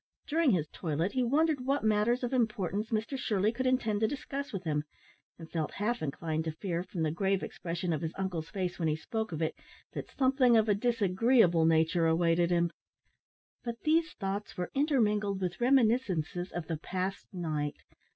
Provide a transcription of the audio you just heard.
During his toilet he wondered what matters of importance Mr Shirley could intend to discuss with him, and felt half inclined to fear, from the grave expression of his uncle's face when he spoke of it, that something of a disagreeable nature awaited him. But these thoughts were intermingled with reminiscences of the past night.